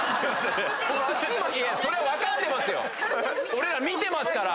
俺ら見てますから。